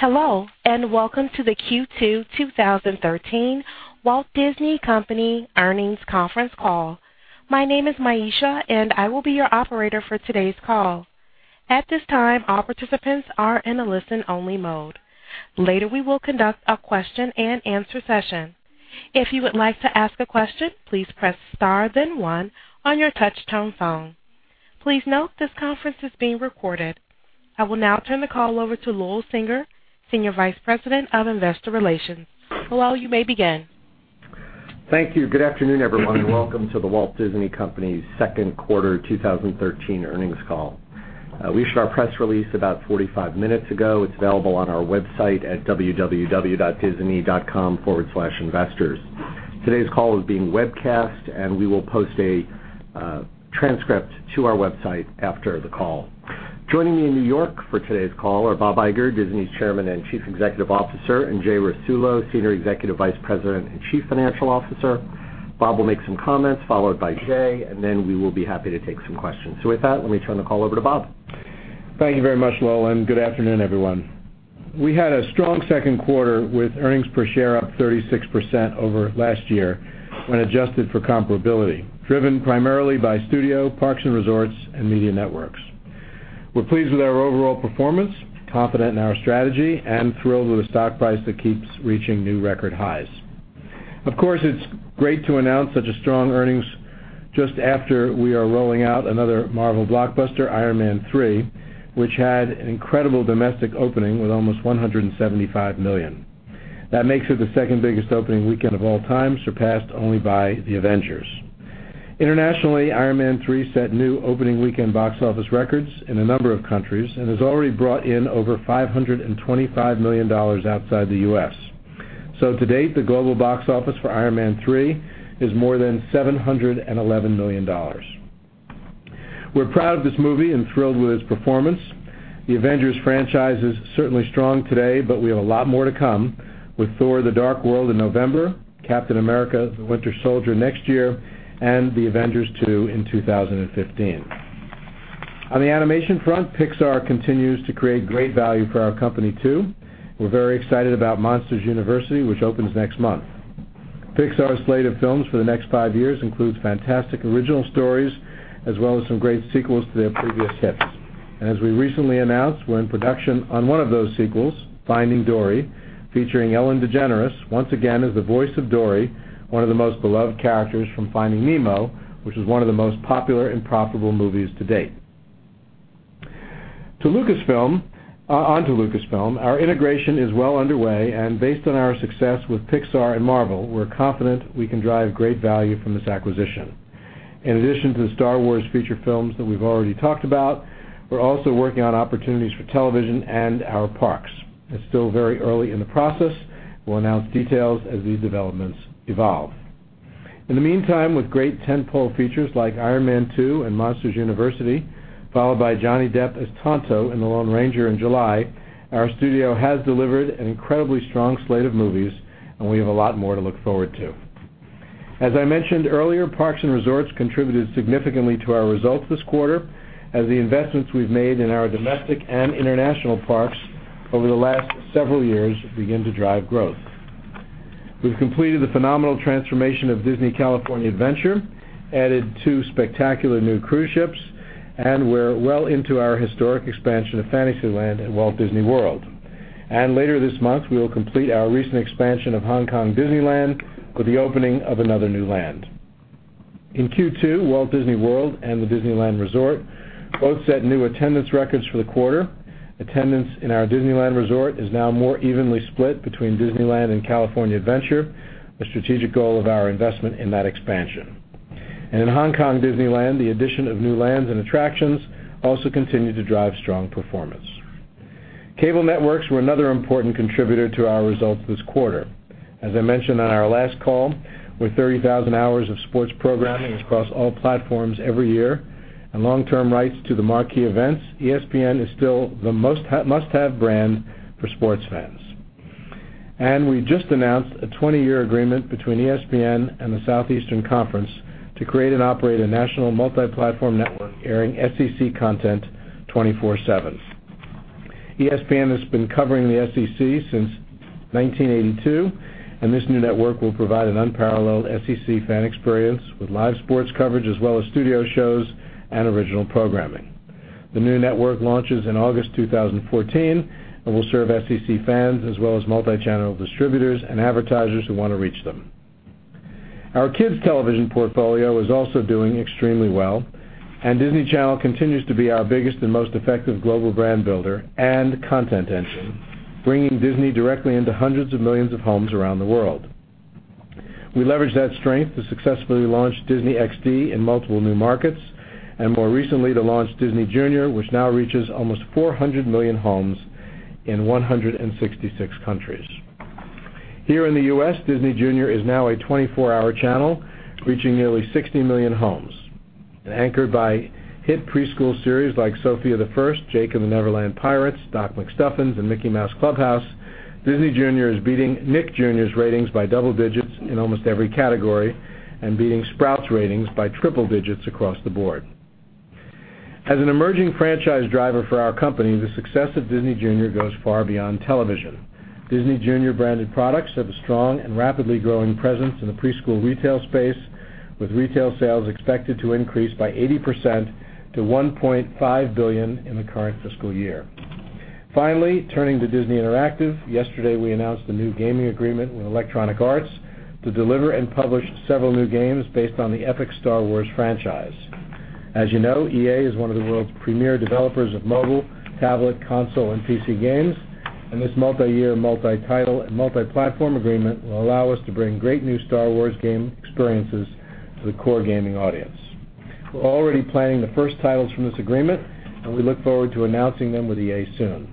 Hello, welcome to the Q2 2013 The Walt Disney Company earnings conference call. My name is Maisha, and I will be your operator for today's call. At this time, all participants are in a listen-only mode. Later, we will conduct a question-and-answer session. If you would like to ask a question, please press star then one on your touchtone phone. Please note this conference is being recorded. I will now turn the call over to Lowell Singer, Senior Vice President of Investor Relations. Lowell, you may begin. Thank you. Good afternoon, everyone, welcome to The Walt Disney Company's second quarter 2013 earnings call. We issued our press release about 45 minutes ago. It's available on our website at www.disney.com/investors. Today's call is being webcast. We will post a transcript to our website after the call. Joining me in New York for today's call are Bob Iger, Disney's Chairman and Chief Executive Officer, and Jay Rasulo, Senior Executive Vice President and Chief Financial Officer. Bob will make some comments followed by Jay. Then we will be happy to take some questions. With that, let me turn the call over to Bob. Thank you very much, Lowell, good afternoon, everyone. We had a strong second quarter with earnings per share up 36% over last year when adjusted for comparability, driven primarily by Studio, Parks and Resorts, and Media Networks. We're pleased with our overall performance, confident in our strategy, thrilled with a stock price that keeps reaching new record highs. Of course, it's great to announce such strong earnings just after we are rolling out another Marvel blockbuster, "Iron Man 3," which had an incredible domestic opening with almost $175 million. That makes it the second-biggest opening weekend of all time, surpassed only by "The Avengers." Internationally, "Iron Man 3" set new opening weekend box office records in a number of countries and has already brought in over $525 million outside the U.S. To date, the global box office for "Iron Man 3" is more than $711 million. We're proud of this movie, thrilled with its performance. The Avengers franchise is certainly strong today, but we have a lot more to come with "Thor: The Dark World" in November, "Captain America: The Winter Soldier" next year, and "The Avengers 2" in 2015. On the animation front, Pixar continues to create great value for our company, too. We're very excited about "Monsters University," which opens next month. Pixar's slate of films for the next five years includes fantastic original stories, as well as some great sequels to their previous hits. As we recently announced, we're in production on one of those sequels, "Finding Dory," featuring Ellen DeGeneres once again as the voice of Dory, one of the most beloved characters from "Finding Nemo," which is one of the most popular and profitable movies to date. On to Lucasfilm, our integration is well underway, and based on our success with Pixar and Marvel, we're confident we can drive great value from this acquisition. In addition to the Star Wars feature films that we've already talked about, we're also working on opportunities for television and our parks. It's still very early in the process. We'll announce details as these developments evolve. In the meantime, with great tentpole features like "Iron Man 3" and "Monsters University," followed by Johnny Depp as Tonto in "The Lone Ranger" in July, our studio has delivered an incredibly strong slate of movies, and we have a lot more to look forward to. As I mentioned earlier, Parks and Resorts contributed significantly to our results this quarter as the investments we've made in our domestic and international parks over the last several years begin to drive growth. We've completed the phenomenal transformation of Disney California Adventure, added two spectacular new cruise ships, and we're well into our historic expansion of Fantasyland at Walt Disney World. Later this month, we will complete our recent expansion of Hong Kong Disneyland with the opening of another new land. In Q2, Walt Disney World and the Disneyland Resort both set new attendance records for the quarter. Attendance in our Disneyland Resort is now more evenly split between Disneyland and California Adventure, a strategic goal of our investment in that expansion. In Hong Kong Disneyland, the addition of new lands and attractions also continued to drive strong performance. Cable networks were another important contributor to our results this quarter. As I mentioned on our last call, with 30,000 hours of sports programming across all platforms every year and long-term rights to the marquee events, ESPN is still the must-have brand for sports fans. We just announced a 20-year agreement between ESPN and the Southeastern Conference to create and operate a national multi-platform network airing SEC content 24/7. ESPN has been covering the SEC since 1982, this new network will provide an unparalleled SEC fan experience with live sports coverage as well as studio shows and original programming. The new network launches in August 2014 and will serve SEC fans as well as multi-channel distributors and advertisers who want to reach them. Our kids television portfolio is also doing extremely well, Disney Channel continues to be our biggest and most effective global brand builder and content engine, bringing Disney directly into hundreds of millions of homes around the world. We leveraged that strength to successfully launch Disney XD in multiple new markets, more recently to launch Disney Junior, which now reaches almost 400 million homes in 166 countries. Here in the U.S., Disney Junior is now a 24-hour channel reaching nearly 60 million homes, anchored by hit preschool series like "Sofia the First," "Jake and the Never Land Pirates," "Doc McStuffins," and "Mickey Mouse Clubhouse." Disney Junior is beating Nick Jr.'s ratings by double digits in almost every category and beating Sprout's ratings by triple digits across the board. As an emerging franchise driver for our company, the success of Disney Junior goes far beyond television. Disney Junior-branded products have a strong and rapidly growing presence in the preschool retail space, with retail sales expected to increase by 80% to $1.5 billion in the current fiscal year. Turning to Disney Interactive, yesterday, we announced a new gaming agreement with Electronic Arts to deliver and publish several new games based on the epic Star Wars franchise. As you know, EA is one of the world's premier developers of mobile, tablet, console, and PC games. This multi-year, multi-title, and multi-platform agreement will allow us to bring great new Star Wars game experiences to the core gaming audience. We're already planning the first titles from this agreement, and we look forward to announcing them with EA soon.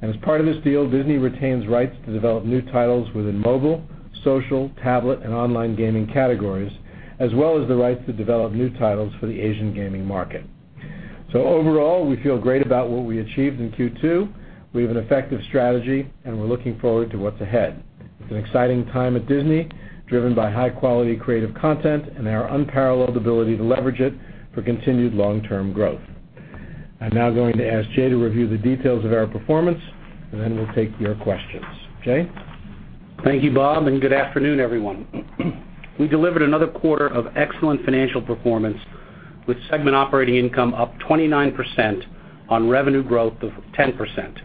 As part of this deal, Disney retains rights to develop new titles within mobile, social, tablet, and online gaming categories, as well as the rights to develop new titles for the Asian gaming market. Overall, we feel great about what we achieved in Q2. We have an effective strategy, and we're looking forward to what's ahead. It's an exciting time at Disney, driven by high-quality creative content and our unparalleled ability to leverage it for continued long-term growth. I'm now going to ask Jay to review the details of our performance, then we'll take your questions. Jay? Thank you, Bob. Good afternoon, everyone. We delivered another quarter of excellent financial performance, with segment operating income up 29% on revenue growth of 10%.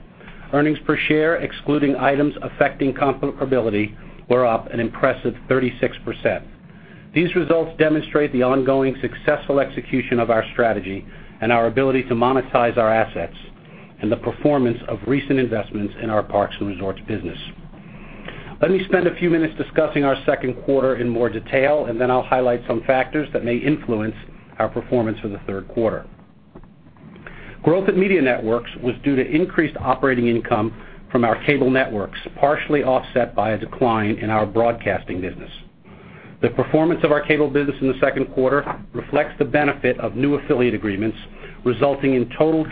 Earnings per share, excluding items affecting comparability, were up an impressive 36%. These results demonstrate the ongoing successful execution of our strategy and our ability to monetize our assets and the performance of recent investments in our parks and resorts business. Let me spend a few minutes discussing our second quarter in more detail, then I'll highlight some factors that may influence our performance for the third quarter. Growth at Media Networks was due to increased operating income from our cable networks, partially offset by a decline in our broadcasting business. The performance of our cable business in the second quarter reflects the benefit of new affiliate agreements, resulting in total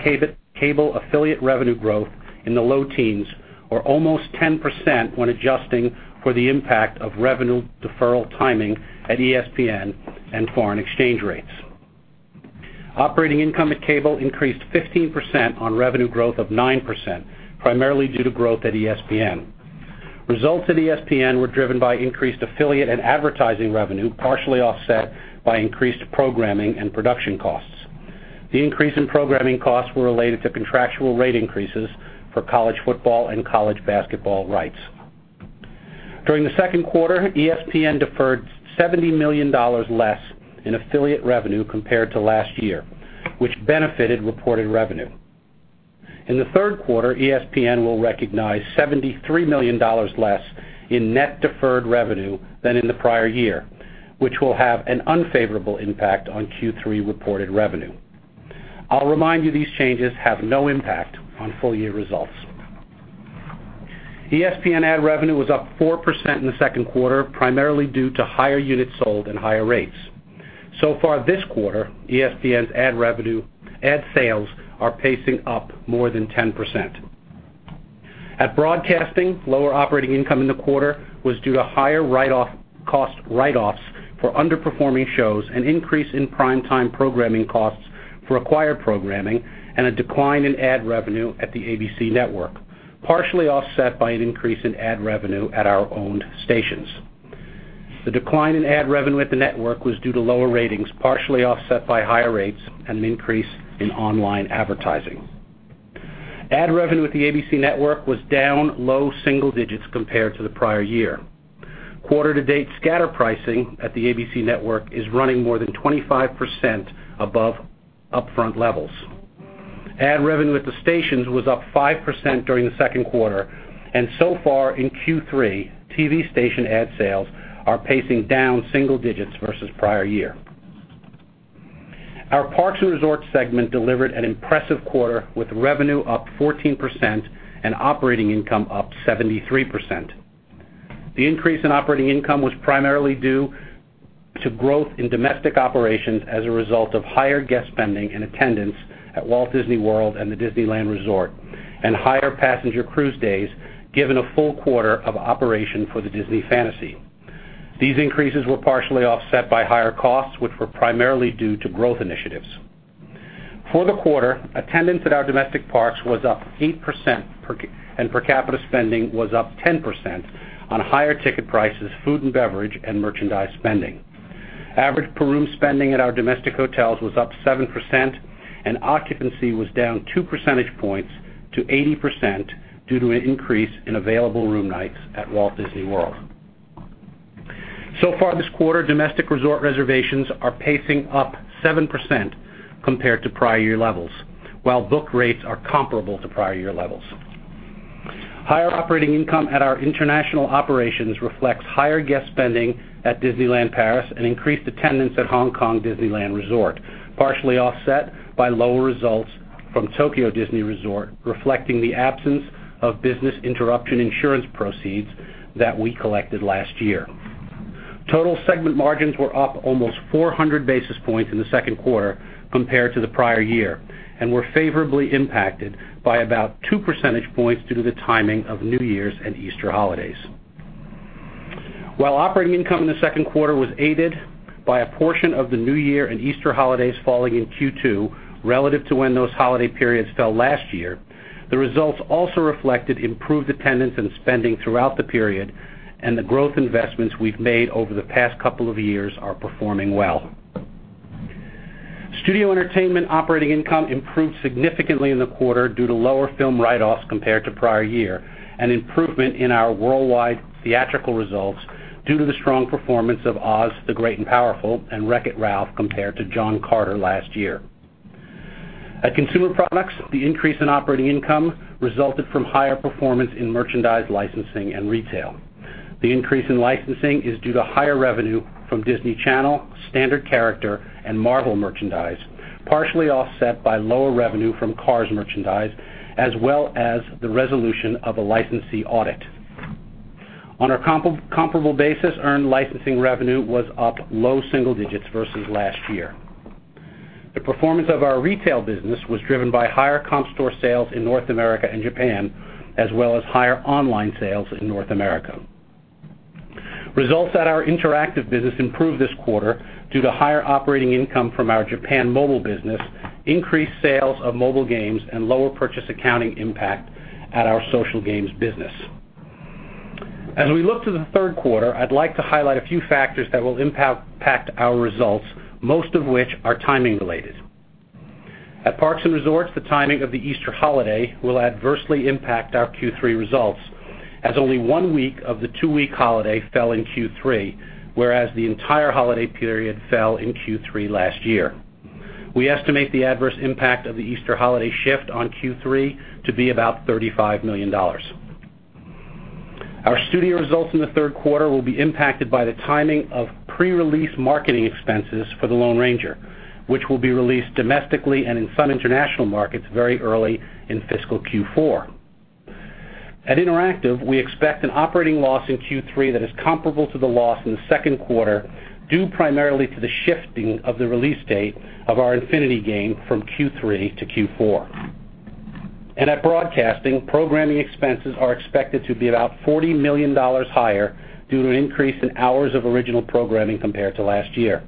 cable affiliate revenue growth in the low teens or almost 10% when adjusting for the impact of revenue deferral timing at ESPN and foreign exchange rates. Operating income at cable increased 15% on revenue growth of 9%, primarily due to growth at ESPN. Results at ESPN were driven by increased affiliate and advertising revenue, partially offset by increased programming and production costs. The increase in programming costs were related to contractual rate increases for college football and college basketball rights. During the second quarter, ESPN deferred $70 million less in affiliate revenue compared to last year, which benefited reported revenue. In the third quarter, ESPN will recognize $73 million less in net deferred revenue than in the prior year, which will have an unfavorable impact on Q3 reported revenue. I'll remind you, these changes have no impact on full-year results. ESPN ad revenue was up 4% in the second quarter, primarily due to higher units sold and higher rates. So far this quarter, ESPN's ad sales are pacing up more than 10%. At broadcasting, lower operating income in the quarter was due to higher cost write-offs for underperforming shows, an increase in prime-time programming costs for acquired programming, and a decline in ad revenue at the ABC network, partially offset by an increase in ad revenue at our owned stations. The decline in ad revenue at the network was due to lower ratings, partially offset by higher rates and an increase in online advertising. Ad revenue at the ABC network was down low single digits compared to the prior year. Quarter to date scatter pricing at the ABC network is running more than 25% above upfront levels. Ad revenue at the stations was up 5% during the second quarter, so far in Q3, TV station ad sales are pacing down single digits versus prior year. Our parks and resorts segment delivered an impressive quarter, with revenue up 14% and operating income up 73%. The increase in operating income was primarily due to growth in domestic operations as a result of higher guest spending and attendance at Walt Disney World and the Disneyland Resort, and higher passenger cruise days, given a full quarter of operation for the Disney Fantasy. These increases were partially offset by higher costs, which were primarily due to growth initiatives. For the quarter, attendance at our domestic parks was up 8%, and per capita spending was up 10% on higher ticket prices, food and beverage, and merchandise spending. Average per-room spending at our domestic hotels was up 7%, and occupancy was down two percentage points to 80% due to an increase in available room nights at Walt Disney World. So far this quarter, domestic resort reservations are pacing up 7% compared to prior year levels, while book rates are comparable to prior year levels. Higher operating income at our international operations reflects higher guest spending at Disneyland Paris and increased attendance at Hong Kong Disneyland Resort, partially offset by lower results from Tokyo Disney Resort, reflecting the absence of business interruption insurance proceeds that we collected last year. Total segment margins were up almost 400 basis points in the second quarter compared to the prior year and were favorably impacted by about two percentage points due to the timing of New Year's and Easter holidays. While operating income in the second quarter was aided by a portion of the New Year and Easter holidays falling in Q2 relative to when those holiday periods fell last year, the results also reflected improved attendance and spending throughout the period, the growth investments we've made over the past couple of years are performing well. Studio entertainment operating income improved significantly in the quarter due to lower film write-offs compared to prior year, and improvement in our worldwide theatrical results due to the strong performance of "Oz: The Great and Powerful" and "Wreck-It Ralph" compared to "John Carter" last year. At Consumer Products, the increase in operating income resulted from higher performance in merchandise licensing and retail. The increase in licensing is due to higher revenue from Disney Channel, standard character, and Marvel merchandise, partially offset by lower revenue from Cars merchandise, as well as the resolution of a licensee audit. On a comparable basis, earned licensing revenue was up low single digits versus last year. The performance of our retail business was driven by higher comp store sales in North America and Japan, as well as higher online sales in North America. Results at our interactive business improved this quarter due to higher operating income from our Japan mobile business, increased sales of mobile games, and lower purchase accounting impact at our social games business. As we look to the third quarter, I'd like to highlight a few factors that will impact our results, most of which are timing-related. At Parks and Resorts, the timing of the Easter holiday will adversely impact our Q3 results, as only one week of the two-week holiday fell in Q3, whereas the entire holiday period fell in Q3 last year. We estimate the adverse impact of the Easter holiday shift on Q3 to be about $35 million. Our studio results in the third quarter will be impacted by the timing of pre-release marketing expenses for The Lone Ranger, which will be released domestically and in some international markets very early in fiscal Q4. At Interactive, we expect an operating loss in Q3 that is comparable to the loss in the second quarter, due primarily to the shifting of the release date of our Infinity game from Q3 to Q4. At Broadcasting, programming expenses are expected to be about $40 million higher due to an increase in hours of original programming compared to last year.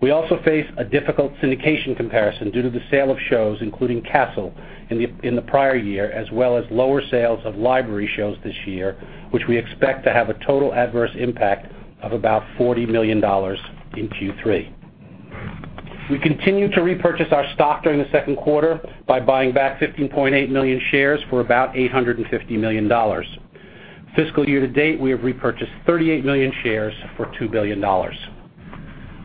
We also face a difficult syndication comparison due to the sale of shows, including Castle in the prior year, as well as lower sales of library shows this year, which we expect to have a total adverse impact of about $40 million in Q3. We continued to repurchase our stock during the second quarter by buying back 15.8 million shares for about $850 million. Fiscal year to date, we have repurchased 38 million shares for $2 billion.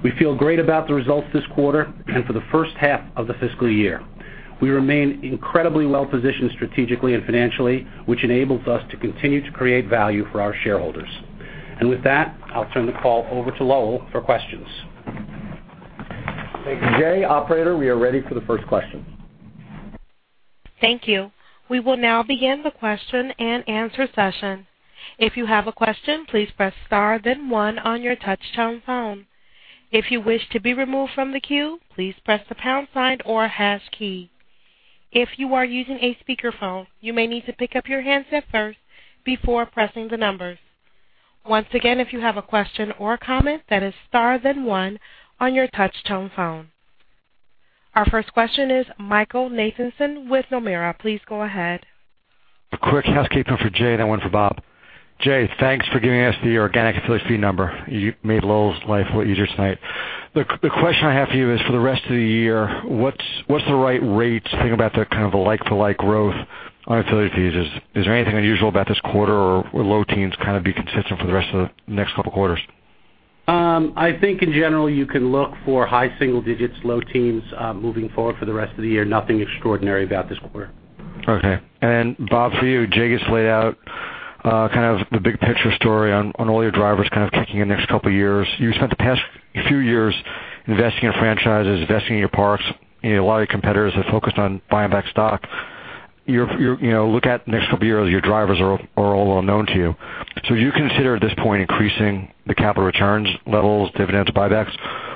We feel great about the results this quarter and for the first half of the fiscal year. We remain incredibly well-positioned strategically and financially, which enables us to continue to create value for our shareholders. With that, I'll turn the call over to Lowell for questions. Thank you, Jay. Operator, we are ready for the first question. Thank you. We will now begin the question-and-answer session. If you have a question, please press star then one on your touchtone phone. If you wish to be removed from the queue, please press the pound sign or hash key. If you are using a speakerphone, you may need to pick up your handset first before pressing the numbers. Once again, if you have a question or a comment, that is star then one on your touchtone phone. Our first question is Michael Nathanson with Nomura. Please go ahead. A quick housekeeping for Jay, then one for Bob. Jay, thanks for giving us the organic affiliate fee number. You made Lowell's life a little easier tonight. The question I have for you is for the rest of the year, what's the right rate to think about the like-to-like growth on affiliate fees? Is there anything unusual about this quarter or low teens be consistent for the rest of the next couple of quarters? I think in general, you can look for high single digits, low teens moving forward for the rest of the year. Nothing extraordinary about this quarter. Okay. Bob, for you, Jay just laid out the big-picture story on all your drivers kicking in next couple years. You spent the past few years investing in franchises, investing in your parks. A lot of your competitors have focused on buying back stock. You look at the next couple of years, your drivers are all well known to you. Do you consider at this point increasing the capital returns levels, dividends, buybacks,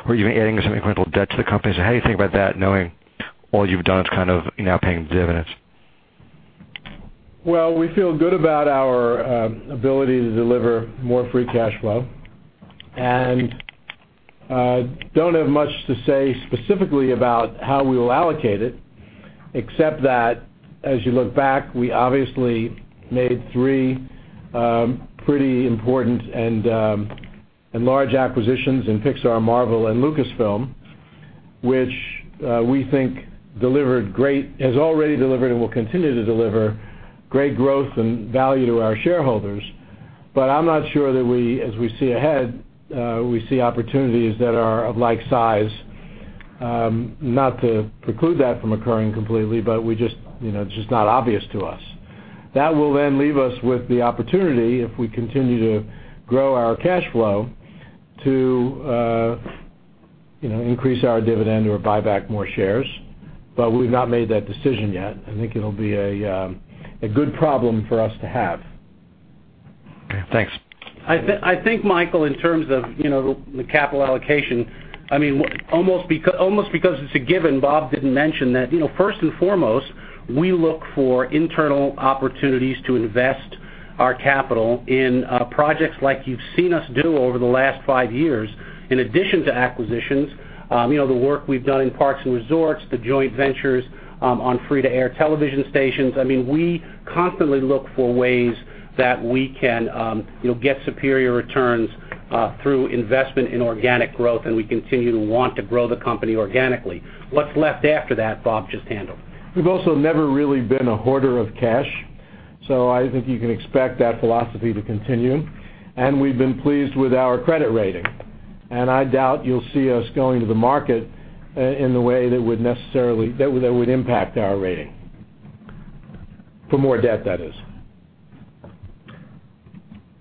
or even adding some incremental debt to the company? How do you think about that, knowing all you've done is now paying dividends? Well, we feel good about our ability to deliver more free cash flow and don't have much to say specifically about how we will allocate it, except that as you look back, we obviously made three pretty important and large acquisitions in Pixar, Marvel, and Lucasfilm, which we think has already delivered and will continue to deliver great growth and value to our shareholders. I'm not sure that as we see ahead, we see opportunities that are of like size. Not to preclude that from occurring completely, but it's just not obvious to us. That will then leave us with the opportunity, if we continue to grow our cash flow, to increase our dividend or buy back more shares. We've not made that decision yet. I think it'll be a good problem for us to have. Okay. Thanks. I think, Michael, in terms of the capital allocation, almost because it's a given, Bob didn't mention that first and foremost, we look for internal opportunities to invest our capital in projects like you've seen us do over the last five years, in addition to acquisitions, the work we've done in parks and resorts, the joint ventures on free-to-air television stations. We constantly look for ways that we can get superior returns through investment in organic growth. We continue to want to grow the company organically. What's left after that, Bob just handled. We've also never really been a hoarder of cash, I think you can expect that philosophy to continue. We've been pleased with our credit rating. I doubt you'll see us going to the market in the way that would impact our rating. For more debt, that is.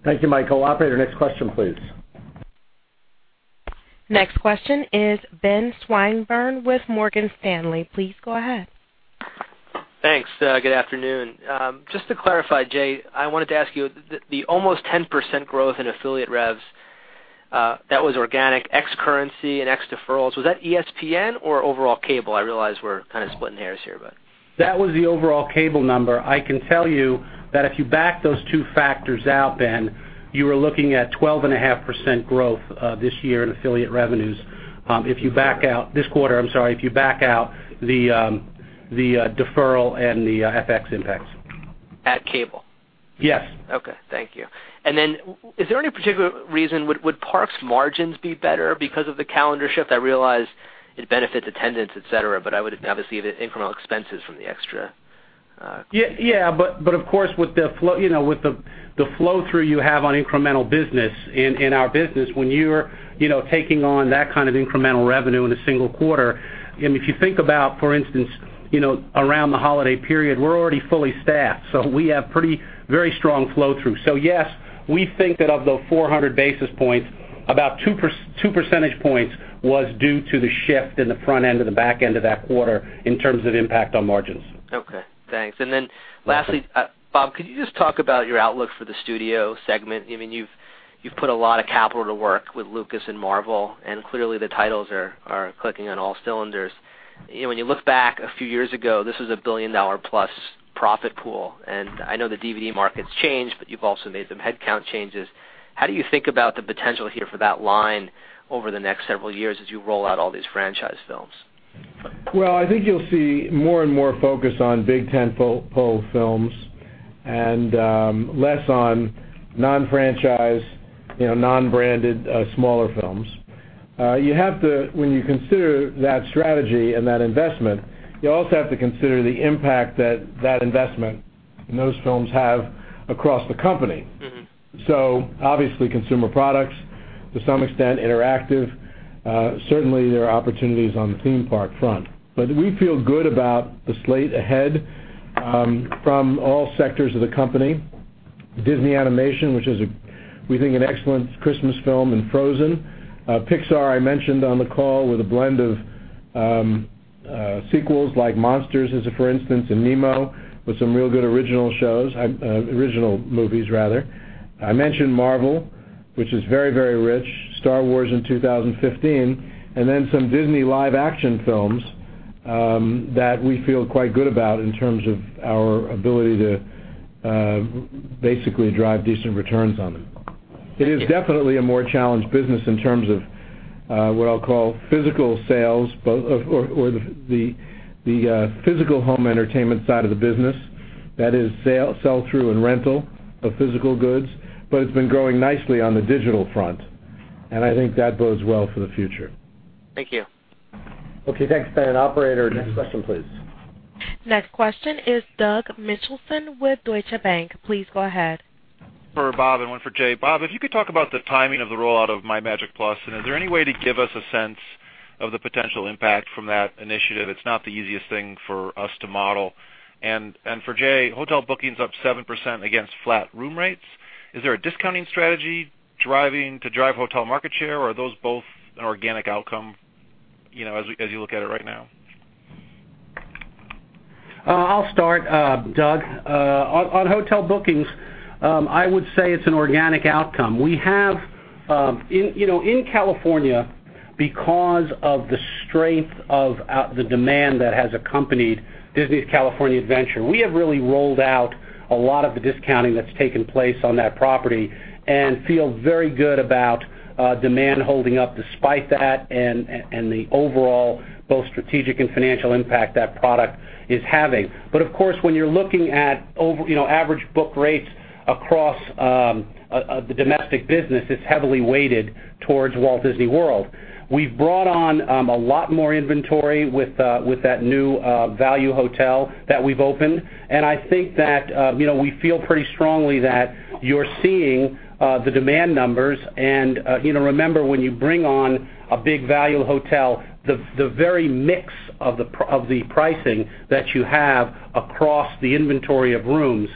Thank you, Michael. Operator, next question, please. Next question is Benjamin Swinburne with Morgan Stanley. Please go ahead. Thanks. Good afternoon. Just to clarify, Jay, I wanted to ask you, the almost 10% growth in affiliate revs, that was organic ex currency and ex deferrals. Was that ESPN or overall cable? I realize we're kind of splitting hairs here. That was the overall cable number. I can tell you that if you back those two factors out, Ben, you are looking at 12.5% growth this year in affiliate revenues. This quarter, I'm sorry, if you back out the deferral and the FX impacts. At cable? Yes. Okay, thank you. Is there any particular reason would Parks margins be better because of the calendar shift? I realize it benefits attendance, et cetera, but I would obviously get incremental expenses from the extra- Yeah, of course, with the flow-through you have on incremental business, in our business, when you're taking on that kind of incremental revenue in a single quarter, if you think about, for instance, around the holiday period, we're already fully staffed, so we have very strong flow-through. Yes, we think that of the 400 basis points, about two percentage points was due to the shift in the front end or the back end of that quarter in terms of impact on margins. Okay, thanks. Lastly, Bob, could you just talk about your outlook for the Studio segment? You've put a lot of capital to work with Lucas and Marvel, and clearly the titles are clicking on all cylinders. When you look back a few years ago, this was a billion-dollar-plus profit pool, I know the DVD market's changed, but you've also made some headcount changes. How do you think about the potential here for that line over the next several years as you roll out all these franchise films? I think you'll see more and more focus on big tentpole films and less on non-franchise, non-branded, smaller films. When you consider that strategy and that investment, you also have to consider the impact that that investment and those films have across the company. Obviously consumer products, to some extent, interactive. Certainly, there are opportunities on the theme park front. We feel good about the slate ahead from all sectors of the company. Disney Animation, which has, we think, an excellent Christmas film in "Frozen." Pixar, I mentioned on the call, with a blend of sequels like "Monsters," as for instance, and "Nemo" with some real good original shows, original movies rather. I mentioned Marvel, which is very, very rich. "Star Wars" in 2015, and then some Disney live-action films that we feel quite good about in terms of our ability to basically drive decent returns on them. It is definitely a more challenged business in terms of what I'll call physical sales or the physical home entertainment side of the business. That is, sell-through and rental of physical goods, it's been growing nicely on the digital front, I think that bodes well for the future. Thank you. Okay, thanks, Ben. Operator, next question, please. Next question is Douglas Mitchelson with Deutsche Bank. Please go ahead. For Bob and one for Jay. Bob, if you could talk about the timing of the rollout of MyMagic+. Is there any way to give us a sense of the potential impact from that initiative? It's not the easiest thing for us to model. For Jay, hotel bookings up 7% against flat room rates. Is there a discounting strategy to drive hotel market share, or are those both an organic outcome as you look at it right now? I'll start, Doug. On hotel bookings, I would say it's an organic outcome. In California, because of the strength of the demand that has accompanieds Disney California Adventure, we have really rolled out a lot of the discounting that's taken place on that property and feel very good about demand holding up despite that and the overall both strategic and financial impact that product is having. Of course, when you're looking at average book rates across the domestic business, it's heavily weighted towards Walt Disney World. We've brought on a lot more inventory with that new value hotel that we've opened, and I think that we feel pretty strongly that you're seeing the demand numbers and remember, when you bring on a big value hotel, the very mix of the pricing that you have across the inventory of rooms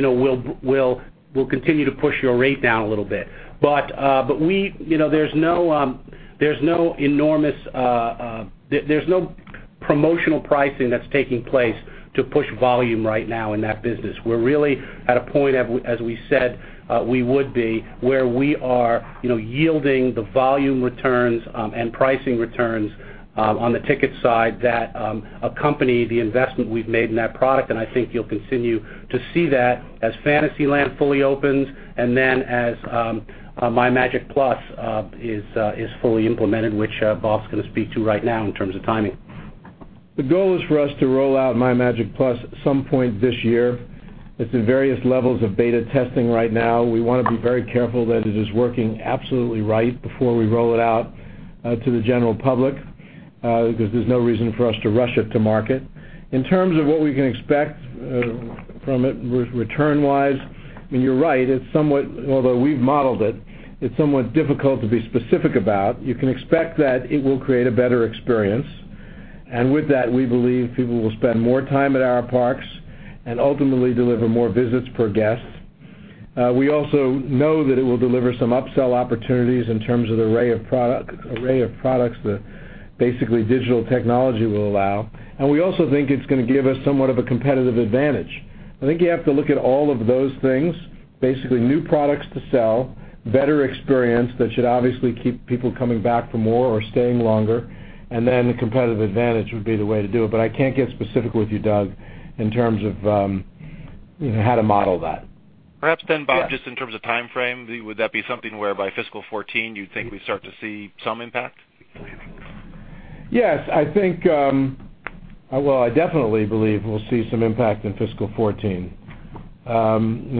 will continue to push your rate down a little bit. There's no Promotional pricing that's taking place to push volume right now in that business. We're really at a point, as we said we would be, where we are yielding the volume returns and pricing returns on the ticket side that accompany the investment we've made in that product. I think you'll continue to see that as Fantasyland fully opens, and then as MyMagic+ is fully implemented, which Bob's going to speak to right now in terms of timing. The goal is for us to roll out MyMagic+ at some point this year. It's in various levels of beta testing right now. We want to be very careful that it is working absolutely right before we roll it out to the general public, because there's no reason for us to rush it to market. In terms of what we can expect from it return-wise, you're right, although we've modeled it's somewhat difficult to be specific about. You can expect that it will create a better experience, and with that, we believe people will spend more time at our parks and ultimately deliver more visits per guest. We also know that it will deliver some upsell opportunities in terms of the array of products that basically digital technology will allow. We also think it's going to give us somewhat of a competitive advantage. I think you have to look at all of those things, basically new products to sell, better experience that should obviously keep people coming back for more or staying longer, and then the competitive advantage would be the way to do it. I can't get specific with you, Doug, in terms of how to model that. Perhaps, Bob. Yes. Just in terms of timeframe, would that be something where by fiscal 2014 you think we'd start to see some impact? Yes. Well, I definitely believe we'll see some impact in fiscal 2014.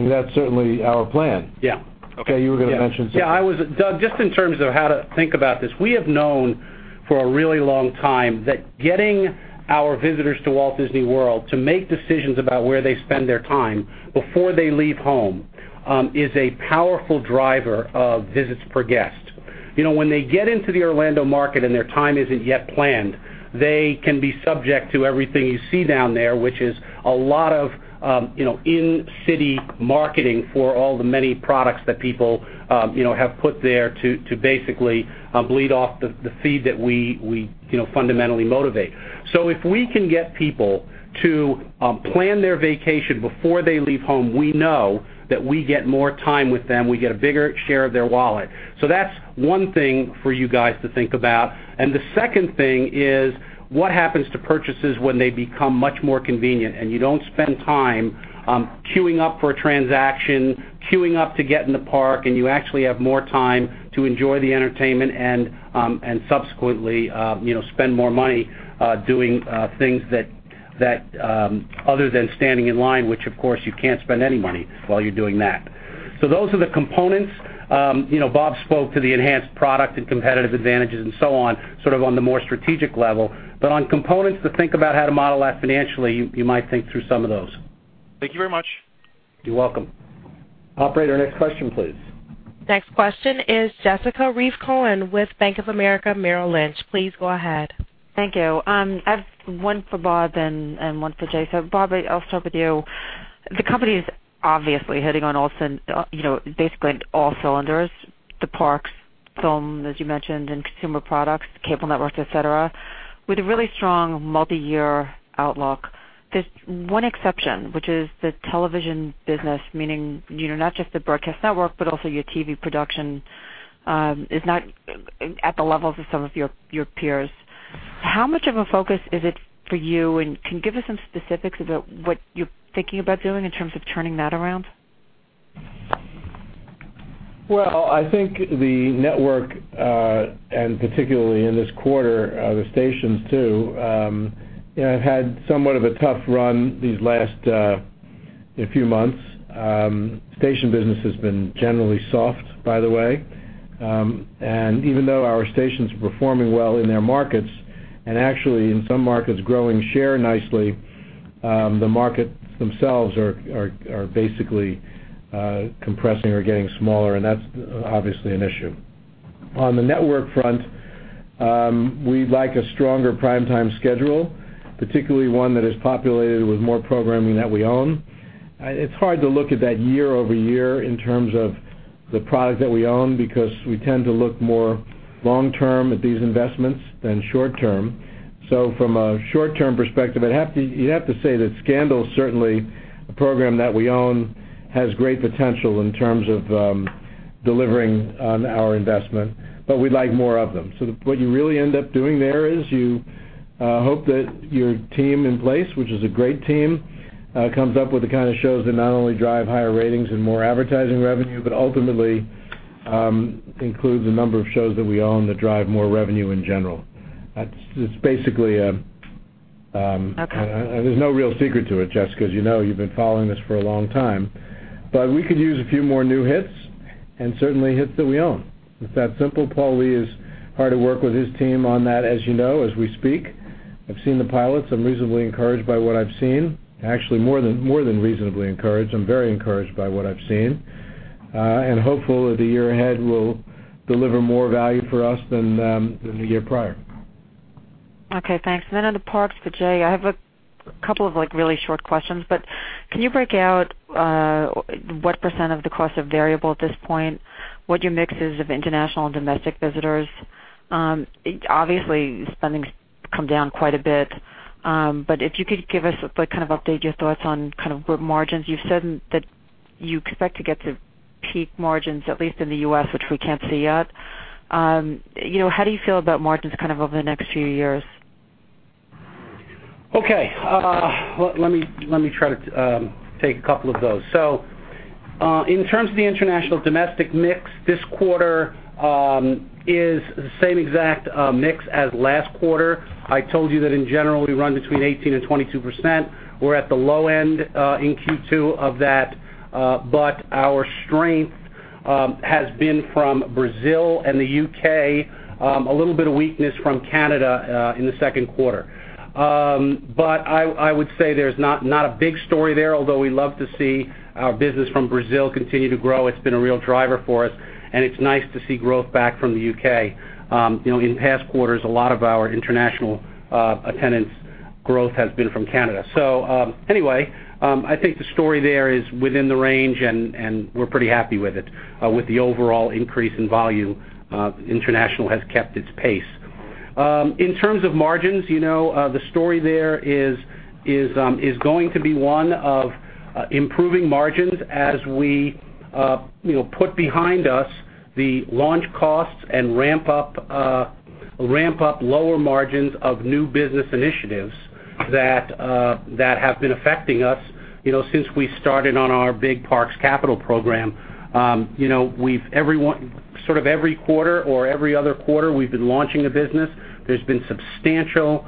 That's certainly our plan. Yeah. Okay. Okay, you were going to mention something. Yeah. Doug, just in terms of how to think about this, we have known for a really long time that getting our visitors to Walt Disney World to make decisions about where they spend their time before they leave home is a powerful driver of visits per guest. When they get into the Orlando market and their time isn't yet planned, they can be subject to everything you see down there, which is a lot of in-city marketing for all the many products that people have put there to basically bleed off the feed that we fundamentally motivate. If we can get people to plan their vacation before they leave home, we know that we get more time with them, we get a bigger share of their wallet. That's one thing for you guys to think about. The second thing is what happens to purchases when they become much more convenient and you don't spend time queuing up for a transaction, queuing up to get in the park, and you actually have more time to enjoy the entertainment and subsequently spend more money doing things other than standing in line, which of course you can't spend any money while you're doing that. Those are the components. Bob spoke to the enhanced product and competitive advantages and so on, sort of on the more strategic level. On components to think about how to model that financially, you might think through some of those. Thank you very much. You're welcome. Operator, next question, please. Next question is Jessica Reif Cohen with Bank of America Merrill Lynch. Please go ahead. Thank you. I have one for Bob and one for Jay. Bob, I'll start with you. The company is obviously hitting on all cylinders, the parks, film, as you mentioned, and consumer products, cable networks, et cetera, with a really strong multi-year outlook. There's one exception, which is the television business, meaning, not just the broadcast network, but also your TV production is not at the levels of some of your peers. How much of a focus is it for you, and can you give us some specifics about what you're thinking about doing in terms of turning that around? Well, I think the network, and particularly in this quarter, the stations too, have had somewhat of a tough run these last few months. Station business has been generally soft, by the way. Even though our stations are performing well in their markets, and actually in some markets growing share nicely, the markets themselves are basically compressing or getting smaller, and that's obviously an issue. On the network front, we'd like a stronger prime time schedule, particularly one that is populated with more programming that we own. It's hard to look at that year-over-year in terms of the product that we own, because we tend to look more long-term at these investments than short-term. From a short-term perspective, you'd have to say that "Scandal" certainly, a program that we own, has great potential in terms of delivering on our investment, but we'd like more of them. What you really end up doing there is you hope that your team in place, which is a great team, comes up with the kind of shows that not only drive higher ratings and more advertising revenue, but ultimately includes a number of shows that we own that drive more revenue in general. There's no real secret to it, Jess, because you know, you've been following this for a long time. We could use a few more new hits, and certainly hits that we own. It's that simple. Paul Lee is hard at work with his team on that, as you know, as we speak. I've seen the pilots. I'm reasonably encouraged by what I've seen. Actually, more than reasonably encouraged. I'm very encouraged by what I've seen. And hopeful that the year ahead will deliver more value for us than the year prior. Okay, thanks. On the parks for Jay Rasulo. I have a couple of really short questions, but can you break out what % of the cost of variable at this point, what your mix is of international and domestic visitors? Obviously, spending's come down quite a bit. If you could give us an update, your thoughts on margins. You've said that you expect to get to peak margins, at least in the U.S., which we can't see yet. How do you feel about margins over the next few years? Okay. Let me try to take a couple of those. In terms of the international domestic mix, this quarter is the same exact mix as last quarter. I told you that in general, we run between 18% and 22%. We're at the low end in Q2 of that. Our strength has been from Brazil and the U.K., a little bit of weakness from Canada in the second quarter. I would say there's not a big story there, although we love to see our business from Brazil continue to grow. It's been a real driver for us, and it's nice to see growth back from the U.K. In past quarters, a lot of our international attendance growth has been from Canada. Anyway, I think the story there is within the range, and we're pretty happy with it. With the overall increase in volume, international has kept its pace. In terms of margins, the story there is going to be one of improving margins as we put behind us the launch costs and ramp-up lower margins of new business initiatives that have been affecting us since we started on our big parks capital program. Every quarter or every other quarter, we've been launching a business. There's been substantial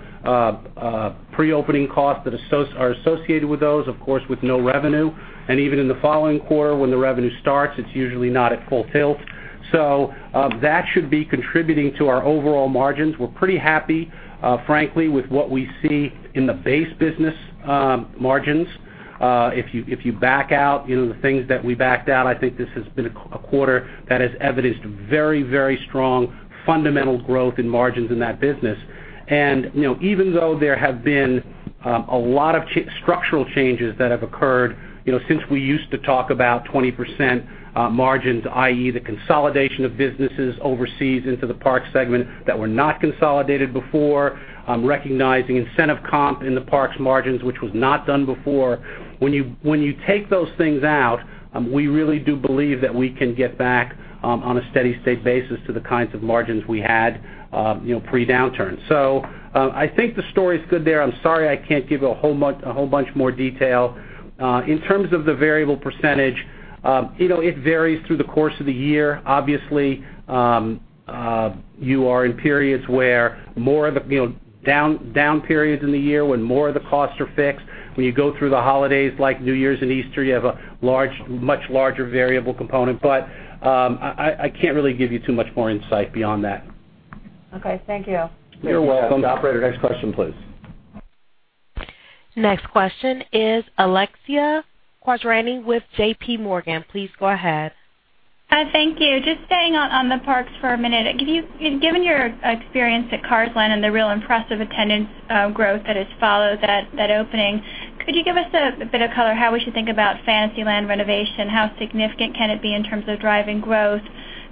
pre-opening costs that are associated with those, of course, with no revenue. Even in the following quarter, when the revenue starts, it's usually not at full tilt. That should be contributing to our overall margins. We're pretty happy, frankly, with what we see in the base business margins. If you back out the things that we backed out, I think this has been a quarter that has evidenced very strong fundamental growth in margins in that business. Even though there have been a lot of structural changes that have occurred since we used to talk about 20% margins, i.e., the consolidation of businesses overseas into the parks segment that were not consolidated before, recognizing incentive comp in the parks margins, which was not done before. When you take those things out, we really do believe that we can get back on a steady state basis to the kinds of margins we had pre-downturn. I think the story's good there. I'm sorry I can't give a whole bunch more detail. In terms of the variable %, it varies through the course of the year. Obviously, you are in periods where more of the down periods in the year when more of the costs are fixed. When you go through the holidays like New Year's and Easter, you have a much larger variable component. I can't really give you too much more insight beyond that. Okay. Thank you. You're welcome. Operator, next question, please. Next question is Alexia Quadrani with J.P. Morgan. Please go ahead. Hi, thank you. Just staying on the parks for a minute. Given your experience at Cars Land and the real impressive attendance growth that has followed that opening, could you give us a bit of color how we should think about Fantasyland renovation? How significant can it be in terms of driving growth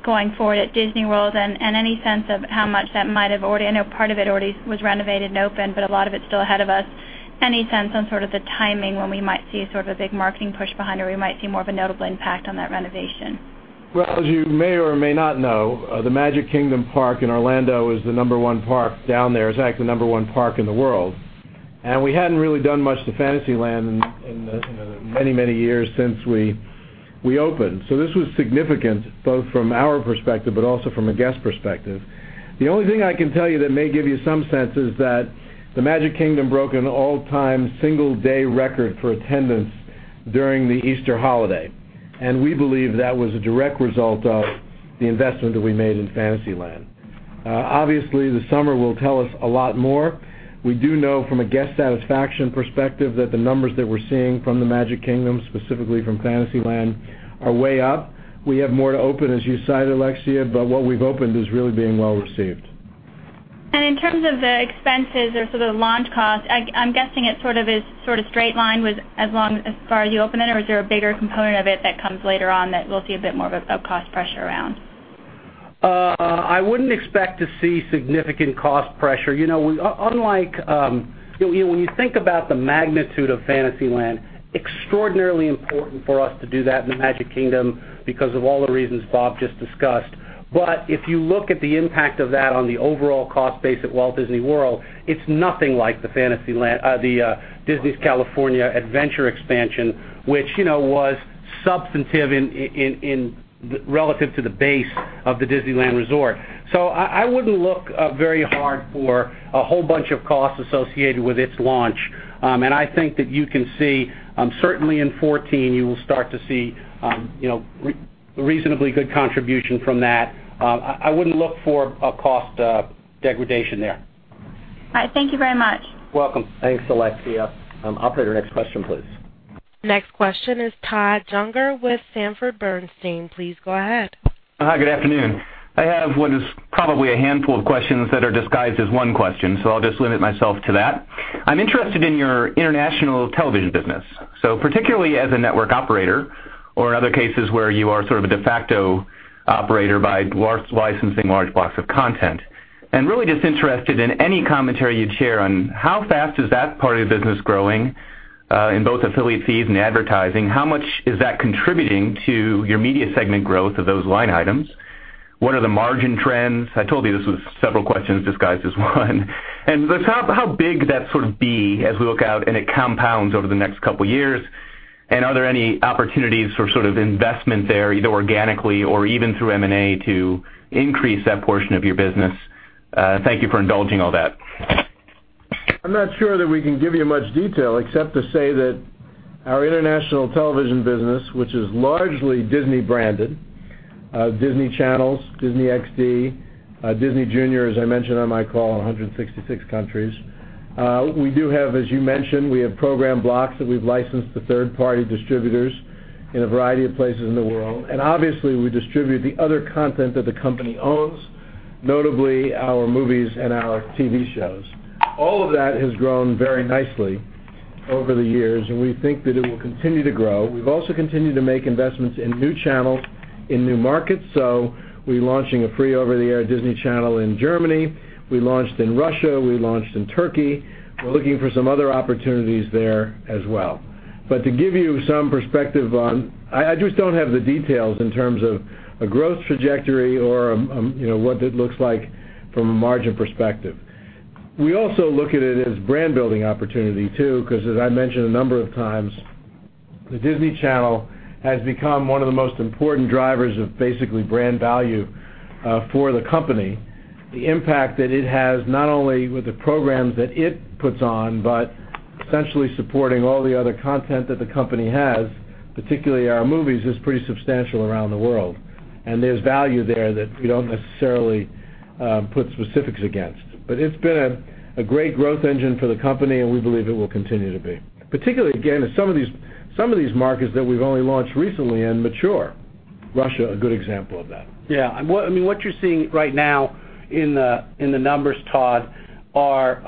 going forward at Disney World? Any sense of how much that might have already, I know part of it already was renovated and opened, a lot of it's still ahead of us. Any sense on sort of the timing when we might see sort of a big marketing push behind, or we might see more of a notable impact on that renovation? Well, as you may or may not know, the Magic Kingdom park in Orlando is the number one park down there. It's actually the number one park in the world. We hadn't really done much to Fantasyland in the many years since we opened. This was significant, both from our perspective, but also from a guest perspective. The only thing I can tell you that may give you some sense is that the Magic Kingdom broke an all-time single-day record for attendance during the Easter holiday. We believe that was a direct result of the investment that we made in Fantasyland. Obviously, the summer will tell us a lot more. We do know from a guest satisfaction perspective that the numbers that we're seeing from the Magic Kingdom, specifically from Fantasyland, are way up. We have more to open, as you cited, Alexia, what we've opened is really being well-received. In terms of the expenses or sort of the launch cost, I'm guessing it sort of straight-line as far as you open it, or is there a bigger component of it that comes later on that we'll see a bit more of a cost pressure around? I wouldn't expect to see significant cost pressure. When you think about the magnitude of Fantasyland, extraordinarily important for us to do that in the Magic Kingdom because of all the reasons Bob just discussed. If you look at the impact of that on the overall cost base at Walt Disney World, it's nothing like the Disney's California Adventure expansion, which was substantive relative to the base of the Disneyland Resort. I wouldn't look very hard for a whole bunch of costs associated with its launch. I think that you can see, certainly in 2014, you will start to see reasonably good contribution from that. I wouldn't look for a cost degradation there. All right. Thank you very much. Welcome. Thanks, Alexia. Operator, next question, please. Next question is Todd Juenger with Sanford Bernstein. Please go ahead. Hi, good afternoon. I have what is probably a handful of questions that are disguised as one question, so I'll just limit myself to that. I'm interested in your international television business. Particularly as a network operator or in other cases where you are sort of a de facto operator by licensing large blocks of content. Really just interested in any commentary you'd share on how fast is that part of your business growing, in both affiliate fees and advertising? How much is that contributing to your media segment growth of those line items? What are the margin trends? I told you this was several questions disguised as one. How big would that sort of be as we look out and it compounds over the next couple of years? Are there any opportunities for sort of investment there, either organically or even through M&A to increase that portion of your business? Thank you for indulging all that. I'm not sure that we can give you much detail except to say that our international television business, which is largely Disney branded, Disney Channels, Disney XD, Disney Junior, as I mentioned on my call, in 166 countries. We do have, as you mentioned, we have program blocks that we've licensed to third party distributors in a variety of places in the world. Obviously we distribute the other content that the company owns, notably our movies and our TV shows. All of that has grown very nicely over the years, and we think that it will continue to grow. We've also continued to make investments in new channels in new markets. We're launching a free over-the-air Disney Channel in Germany. We launched in Russia. We launched in Turkey. We're looking for some other opportunities there as well. To give you some perspective. I just don't have the details in terms of a growth trajectory or what that looks like from a margin perspective. We also look at it as brand-building opportunity too, because as I mentioned a number of times, the Disney Channel has become one of the most important drivers of basically brand value for the company. The impact that it has, not only with the programs that it puts on, but essentially supporting all the other content that the company has, particularly our movies, is pretty substantial around the world. There's value there that we don't necessarily put specifics against. It's been a great growth engine for the company, and we believe it will continue to be. Particularly, again, as some of these markets that we've only launched recently in mature. Russia, a good example of that. What you're seeing right now in the numbers, Todd, are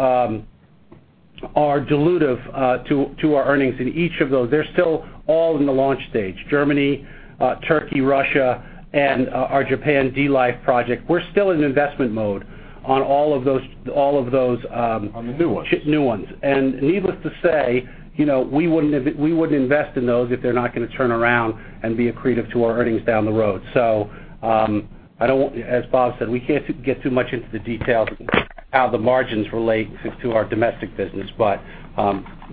dilutive to our earnings in each of those. They're still all in the launch stage, Germany, Turkey, Russia, and our Japan Dlife project. We're still in investment mode on all of those. On the new ones new ones. Needless to say we wouldn't invest in those if they're not going to turn around and be accretive to our earnings down the road. As Bob said, we can't get too much into the details of how the margins relate to our domestic business, but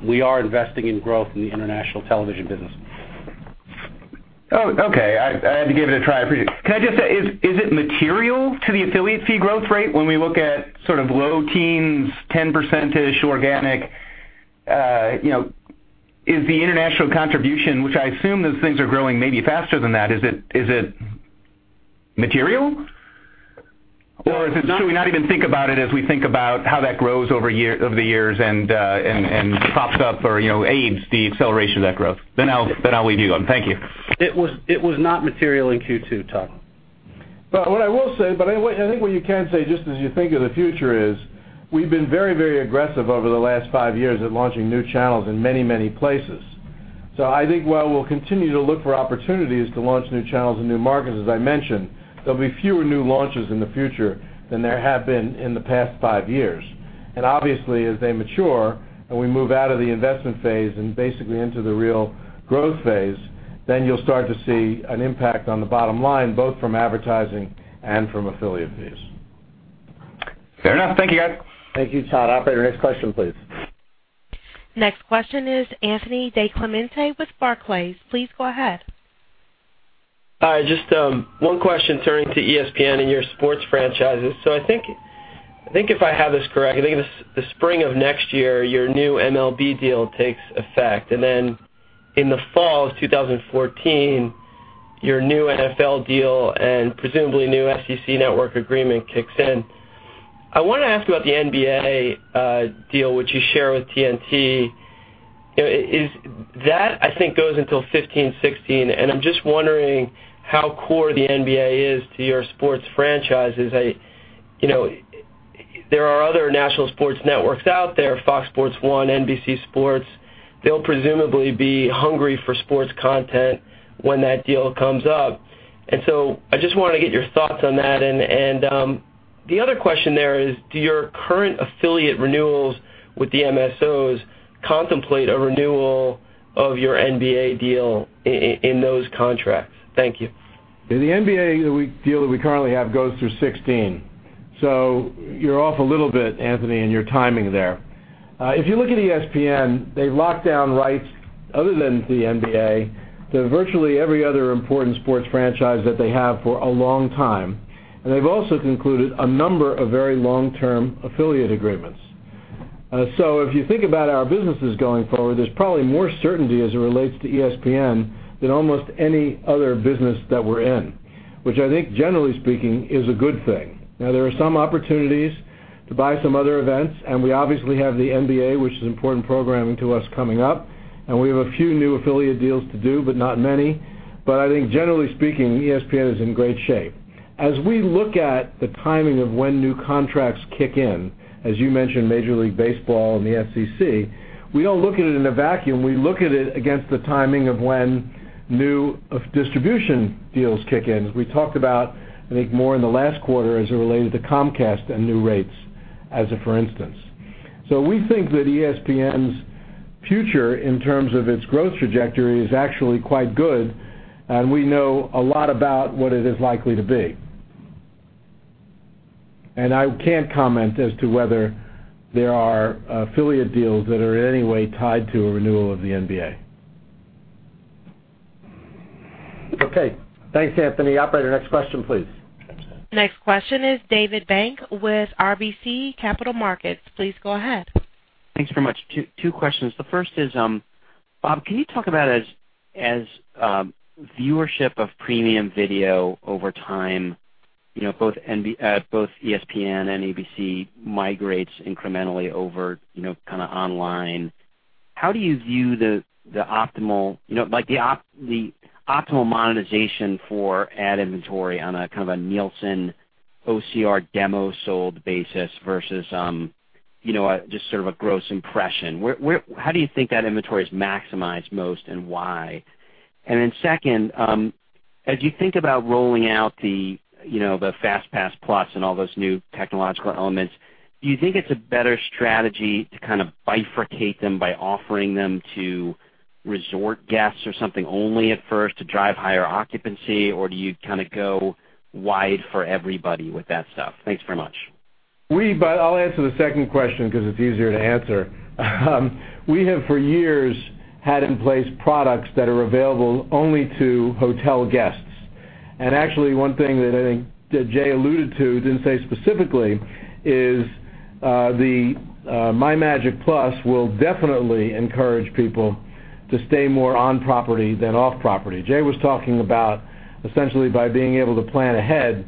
we are investing in growth in the international television business. Okay. I had to give it a try. I appreciate it. Can I just say, is it material to the affiliate fee growth rate when we look at sort of low teens, 10% organic? Is the international contribution, which I assume those things are growing maybe faster than that, is it material? Should we not even think about it as we think about how that grows over the years and pops up or aids the acceleration of that growth? I'll leave you going. Thank you. It was not material in Q2, Todd. What I will say, but I think what you can say just as you think of the future is we've been very aggressive over the last five years at launching new channels in many places. I think while we'll continue to look for opportunities to launch new channels in new markets, as I mentioned, there'll be fewer new launches in the future than there have been in the past five years. Obviously, as they mature and we move out of the investment phase and basically into the real growth phase, then you'll start to see an impact on the bottom line, both from advertising and from affiliate fees. Fair enough. Thank you, guys. Thank you, Todd. Operator, next question, please. Next question is Anthony DiClemente with Barclays. Please go ahead. Hi, just one question turning to ESPN and your sports franchises. I think if I have this correct, I think the spring of next year, your new MLB deal takes effect, then in the fall of 2014, your new NFL deal and presumably new SEC Network agreement kicks in. I want to ask about the NBA deal, which you share with TNT. That I think goes until 2015, 2016, and I'm just wondering how core the NBA is to your sports franchises. There are other national sports networks out there, Fox Sports 1, NBC Sports. They'll presumably be hungry for sports content when that deal comes up. I just want to get your thoughts on that. The other question there is, do your current affiliate renewals with the MSOs contemplate a renewal of your NBA deal in those contracts? Thank you. The NBA deal that we currently have goes through 2016. You're off a little bit, Anthony, in your timing there. If you look at ESPN, they've locked down rights other than the NBA to virtually every other important sports franchise that they have for a long time. They've also concluded a number of very long-term affiliate agreements. If you think about our businesses going forward, there's probably more certainty as it relates to ESPN than almost any other business that we're in. Which I think, generally speaking, is a good thing. Now there are some opportunities to buy some other events. We obviously have the NBA, which is important programming to us coming up, and we have a few new affiliate deals to do, but not many. I think generally speaking, ESPN is in great shape. As we look at the timing of when new contracts kick in, as you mentioned, Major League Baseball and the FCC, we don't look at it in a vacuum. We look at it against the timing of when new distribution deals kick in, as we talked about, I think more in the last quarter as it related to Comcast and new rates, as a for instance. We think that ESPN's future, in terms of its growth trajectory, is actually quite good, and we know a lot about what it is likely to be. I can't comment as to whether there are affiliate deals that are in any way tied to a renewal of the NBA. Okay. Thanks, Anthony. Operator, next question, please. Next question is David Bank with RBC Capital Markets. Please go ahead. Thanks very much. Two questions. The first is, Bob, can you talk about as viewership of premium video over time, both ESPN and ABC migrates incrementally over online, how do you view the optimal monetization for ad inventory on a kind of a Nielsen OCR demo sold basis versus just sort of a gross impression? How do you think that inventory is maximized most, and why? Then second, as you think about rolling out the FastPass+ and all those new technological elements, do you think it's a better strategy to kind of bifurcate them by offering them to resort guests or something only at first to drive higher occupancy? Or do you kind of go wide for everybody with that stuff? Thanks very much. I'll answer the second question because it's easier to answer. We have for years had in place products that are available only to hotel guests. Actually, one thing that I think that Jay alluded to, didn't say specifically, is the MyMagic+ will definitely encourage people to stay more on property than off property. Jay was talking about essentially by being able to plan ahead,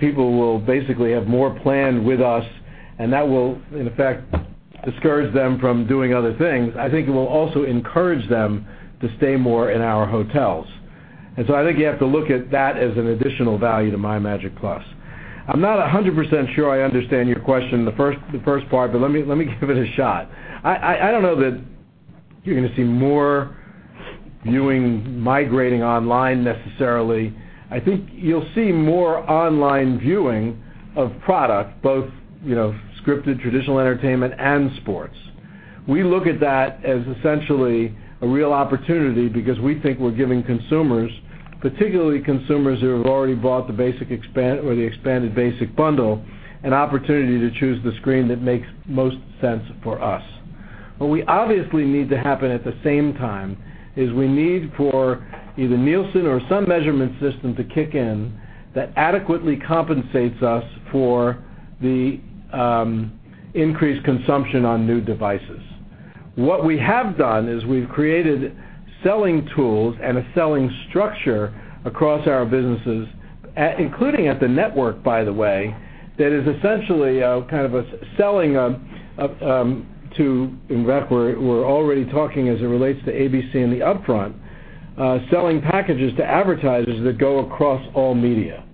people will basically have more planned with us, and that will, in effect, discourage them from doing other things. I think it will also encourage them to stay more in our hotels. So I think you have to look at that as an additional value to MyMagic+. I'm not 100% sure I understand your question, the first part, but let me give it a shot. I don't know that you're going to see more viewing migrating online necessarily. I think you'll see more online viewing of product, both scripted traditional entertainment and sports. We look at that as essentially a real opportunity because we think we're giving consumers, particularly consumers who have already bought the expanded basic bundle, an opportunity to choose the screen that makes most sense for us. What we obviously need to happen at the same time is we need for either Nielsen or some measurement system to kick in that adequately compensates us for the increased consumption on new devices. What we have done is we've created selling tools and a selling structure across our businesses, including at the network, by the way, that is essentially kind of a selling to, in fact, we're already talking as it relates to ABC and the upfront, selling packages to advertisers that go across all media,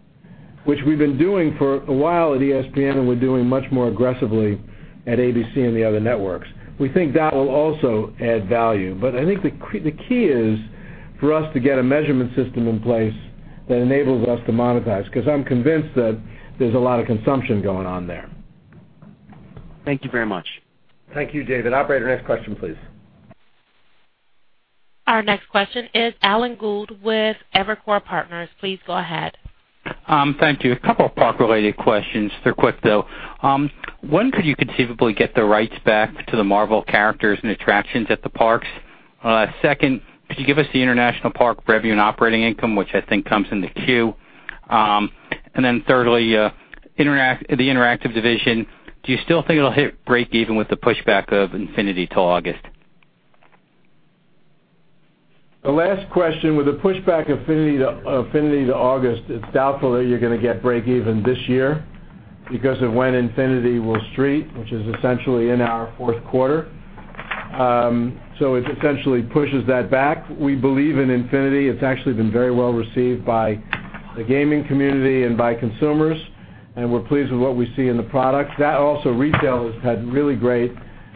which we've been doing for a while at ESPN and we're doing much more aggressively at ABC and the other networks. We think that'll also add value. I think the key is for us to get a measurement system in place that enables us to monetize, because I'm convinced that there's a lot of consumption going on there. Thank you very much. Thank you, David. Operator, next question, please. Our next question is Alan Gould with Evercore Partners. Please go ahead. Thank you. A couple of park-related questions. They're quick, though. One, could you conceivably get the rights back to the Marvel characters and attractions at the parks? Second, could you give us the international park revenue and operating income, which I think comes in the Q? Thirdly, the Infinity division, do you still think it'll hit break even with the pushback of Infinity to August? The last question, with the pushback of Infinity to August, it's doubtful that you're going to get break even this year because of when Infinity will street, which is essentially in our fourth quarter. It essentially pushes that back. We believe in Infinity. It's actually been very well received by the gaming community and by consumers, and we're pleased with what we see in the product. That also, retail has had really great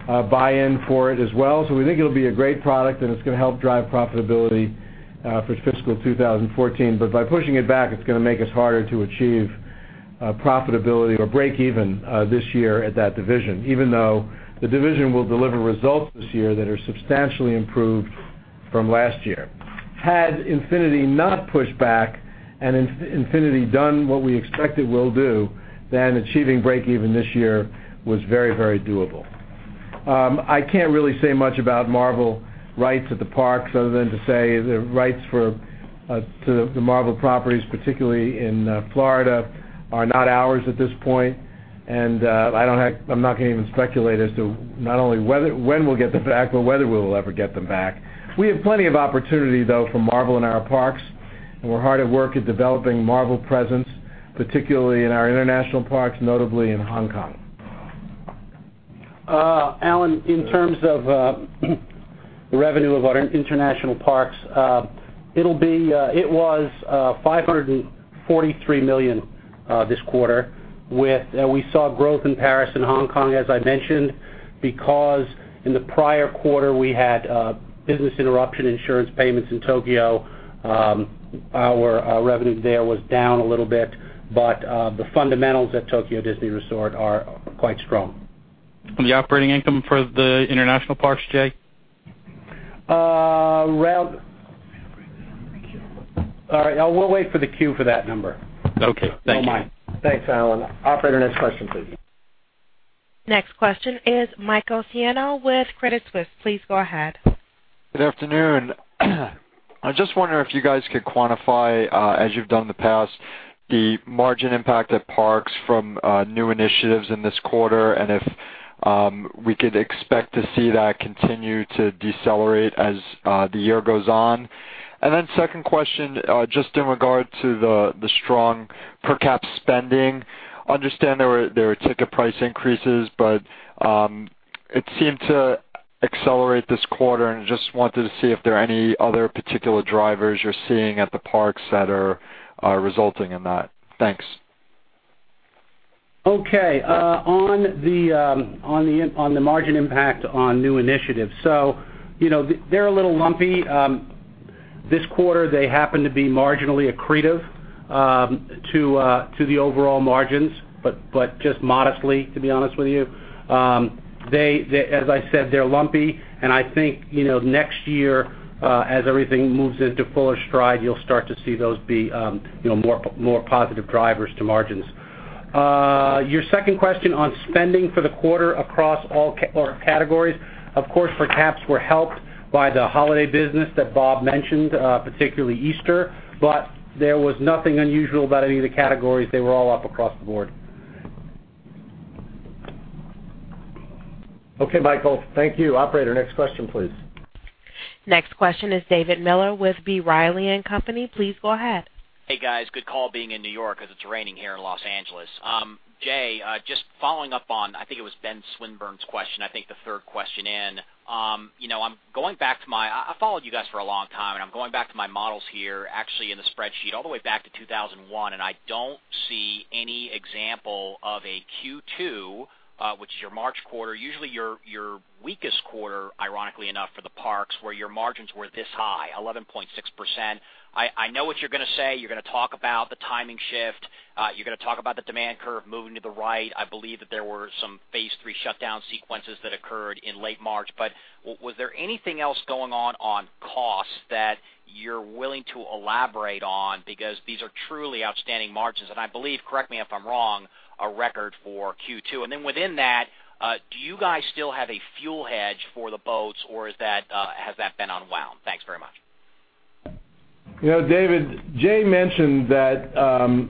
buy-in for it as well. We think it'll be a great product, and it's going to help drive profitability for fiscal 2014. By pushing it back, it's going to make us harder to achieve profitability or break even this year at that division, even though the division will deliver results this year that are substantially improved from last year. Had Infinity not pushed back and Infinity done what we expect it will do, then achieving break even this year was very doable. I can't really say much about Marvel rights at the parks other than to say the rights to the Marvel properties, particularly in Florida, are not ours at this point. I'm not going to even speculate as to not only when we'll get them back but whether we will ever get them back. We have plenty of opportunity, though, for Marvel in our parks, and we're hard at work at developing Marvel presence, particularly in our international parks, notably in Hong Kong. Alan, in terms of the revenue of our international parks, it was $543 million this quarter. We saw growth in Paris and Hong Kong, as I mentioned. Because in the prior quarter, we had business interruption insurance payments in Tokyo, our revenue there was down a little bit, but the fundamentals at Tokyo Disney Resort are quite strong. The operating income for the international parks, Jay? We'll wait for the Q for that number. Okay. Thank you. Thanks, Alan. Operator, next question, please. Next question is Michael Senno with Credit Suisse. Please go ahead. Good afternoon. I just wonder if you guys could quantify, as you've done in the past, the margin impact at parks from new initiatives in this quarter, and if we could expect to see that continue to decelerate as the year goes on. Second question, just in regard to the strong per cap spending. Understand there were ticket price increases, but it seemed to accelerate this quarter, and just wanted to see if there are any other particular drivers you're seeing at the parks that are resulting in that. Thanks. On the margin impact on new initiatives. They're a little lumpy. This quarter, they happen to be marginally accretive to the overall margins, but just modestly, to be honest with you. As I said, they're lumpy, and I think, next year, as everything moves into fuller stride, you'll start to see those be more positive drivers to margins. Your second question on spending for the quarter across all categories, of course, per caps were helped by the holiday business that Bob mentioned, particularly Easter. There was nothing unusual about any of the categories. They were all up across the board. Okay, Michael. Thank you. Operator, next question, please. Next question is David Miller with B. Riley & Co. Please go ahead. Hey, guys. Good call being in New York because it's raining here in Los Angeles. Jay, just following up on, I think it was Benjamin Swinburne's question, I think the third question in. I've followed you guys for a long time, and I'm going back to my models here, actually in the spreadsheet, all the way back to 2001, and I don't see any example of a Q2, which is your March quarter, usually your weakest quarter, ironically enough, for the parks, where your margins were this high, 11.6%. I know what you're going to say. You're going to talk about the timing shift. You're going to talk about the demand curve moving to the right. I believe that there were some phase three shutdown sequences that occurred in late March. Was there anything else going on costs that you're willing to elaborate on? These are truly outstanding margins, and I believe, correct me if I'm wrong, a record for Q2. Within that, do you guys still have a fuel hedge for the boats, or has that been unwound? Thanks very much. David, Jay mentioned that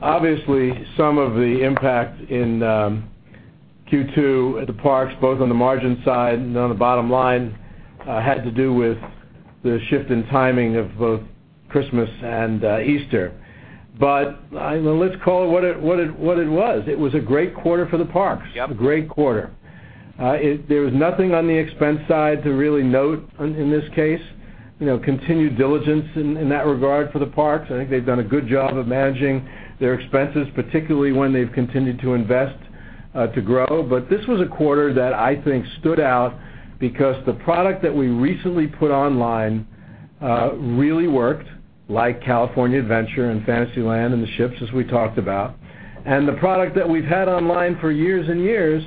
obviously some of the impact in Q2 at the parks, both on the margin side and on the bottom line, had to do with the shift in timing of both Christmas and Easter. Let's call it what it was. It was a great quarter for the parks. Yep. A great quarter. There was nothing on the expense side to really note in this case. Continued diligence in that regard for the parks. I think they've done a good job of managing their expenses, particularly when they've continued to invest to grow. This was a quarter that I think stood out because the product that we recently put online really worked, like California Adventure and Fantasyland and the ships, as we talked about. The product that we've had online for years and years,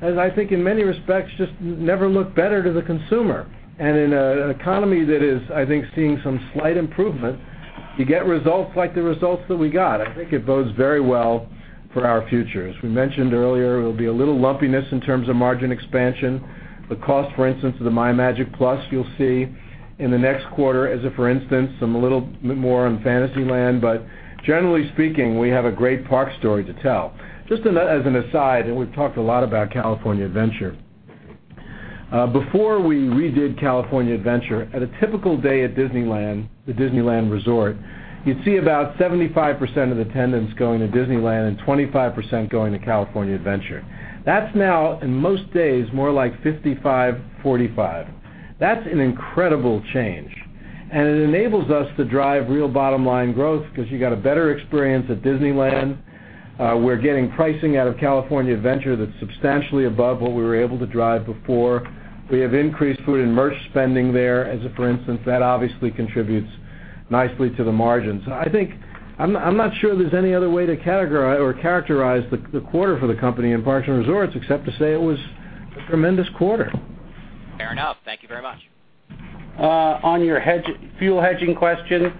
as I think in many respects, just never looked better to the consumer. In an economy that is, I think, seeing some slight improvement, you get results like the results that we got. I think it bodes very well for our future. As we mentioned earlier, there'll be a little lumpiness in terms of margin expansion. The cost, for instance, of the MyMagic+, you'll see in the next quarter as a, for instance, some a little bit more on Fantasyland. Generally speaking, we have a great park story to tell. Just as an aside, we've talked a lot about California Adventure. Before we redid California Adventure, at a typical day at Disneyland, the Disneyland Resort, you'd see about 75% of attendance going to Disneyland and 25% going to California Adventure. That's now, in most days, more like 55/45. That's an incredible change. It enables us to drive real bottom-line growth because you got a better experience at Disneyland. We're getting pricing out of California Adventure that's substantially above what we were able to drive before. We have increased food and merch spending there as a, for instance. That obviously contributes nicely to the margins. I'm not sure there's any other way to characterize the quarter for the company in Parks and Resorts except to say it was a tremendous quarter. Fair enough. Thank you very much. On your fuel hedging question,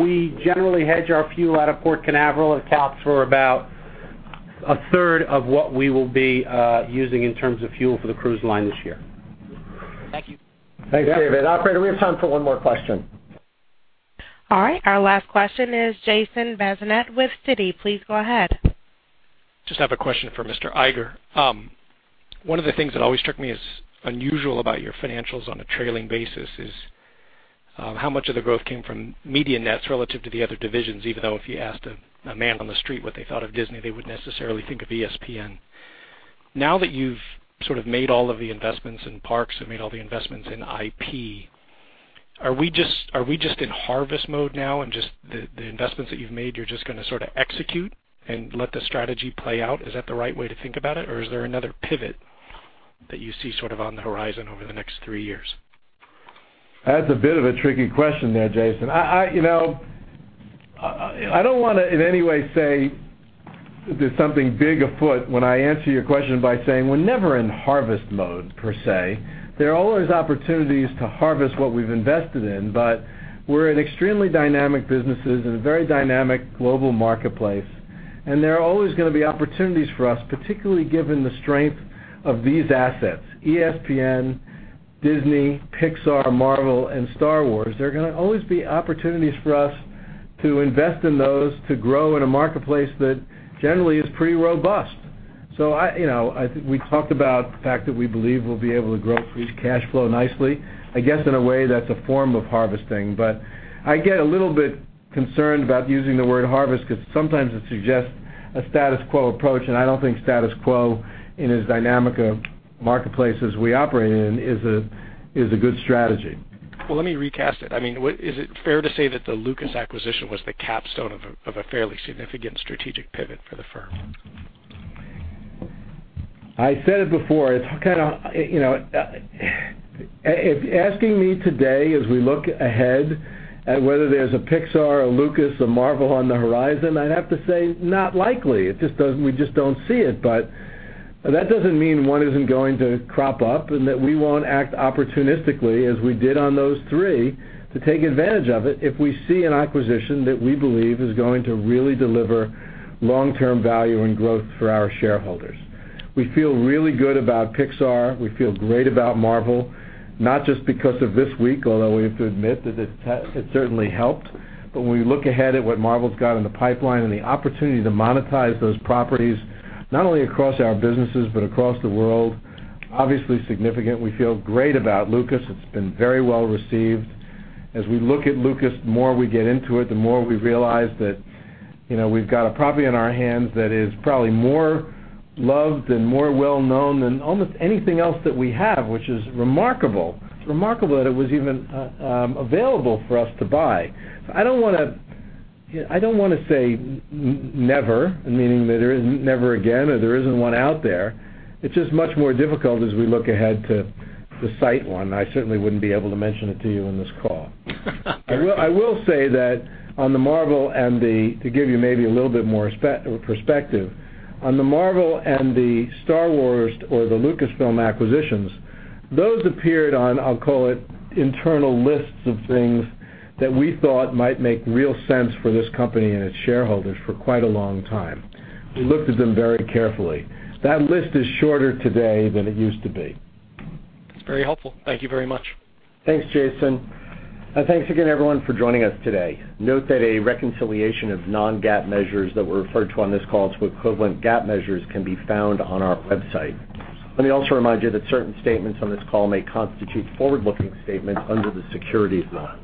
we generally hedge our fuel out of Port Canaveral. It accounts for about a third of what we will be using in terms of fuel for the cruise line this year. Thank you. Thanks, David. Operator, we have time for one more question. All right. Our last question is Jason Bazinet with Citi. Please go ahead. Just have a question for Mr. Iger. One of the things that always struck me as unusual about your financials on a trailing basis is how much of the growth came from media nets relative to the other divisions? Even though if you asked a man on the street what they thought of Disney, they wouldn't necessarily think of ESPN. Now that you've sort of made all of the investments in parks and made all the investments in IP, are we just in harvest mode now and just the investments that you've made, you're just going to sort of execute and let the strategy play out? Is that the right way to think about it? Or is there another pivot that you see sort of on the horizon over the next 3 years? That's a bit of a tricky question there, Jason. I don't want to, in any way, say there's something big afoot when I answer your question by saying we're never in harvest mode, per se. There are always opportunities to harvest what we've invested in, but we're in extremely dynamic businesses in a very dynamic global marketplace, and there are always going to be opportunities for us, particularly given the strength of these assets, ESPN, Disney, Pixar, Marvel, and Star Wars. There are going to always be opportunities for us to invest in those to grow in a marketplace that generally is pretty robust. I think we talked about the fact that we believe we'll be able to grow free cash flow nicely. I guess in a way, that's a form of harvesting, but I get a little bit concerned about using the word harvest because sometimes it suggests a status quo approach, and I don't think status quo in as dynamic a marketplace as we operate in is a good strategy. Let me recast it. Is it fair to say that the Lucas acquisition was the capstone of a fairly significant strategic pivot for the firm? I said it before. If you're asking me today, as we look ahead at whether there's a Pixar, a Lucas, a Marvel on the horizon, I'd have to say not likely. We just don't see it. That doesn't mean one isn't going to crop up and that we won't act opportunistically as we did on those three to take advantage of it if we see an acquisition that we believe is going to really deliver long-term value and growth for our shareholders. We feel really good about Pixar. We feel great about Marvel, not just because of this week, although we have to admit that it certainly helped. When we look ahead at what Marvel's got in the pipeline and the opportunity to monetize those properties, not only across our businesses but across the world, obviously significant. We feel great about Lucas. It's been very well-received. As we look at Lucas, the more we get into it, the more we realize that we've got a property on our hands that is probably more loved and more well-known than almost anything else that we have, which is remarkable. It's remarkable that it was even available for us to buy. I don't want to say never, meaning that there is never again or there isn't one out there. It's just much more difficult as we look ahead to cite one. I certainly wouldn't be able to mention it to you on this call. I will say that on the Marvel and to give you maybe a little bit more perspective, on the Marvel and the Star Wars or the Lucasfilm acquisitions, those appeared on, I'll call it, internal lists of things that we thought might make real sense for this company and its shareholders for quite a long time. We looked at them very carefully. That list is shorter today than it used to be. It's very helpful. Thank you very much. Thanks, Jason. Thanks again, everyone, for joining us today. Note that a reconciliation of non-GAAP measures that were referred to on this call to equivalent GAAP measures can be found on our website. Let me also remind you that certain statements on this call may constitute forward-looking statements under the securities laws.